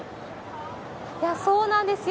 そうなんですよ。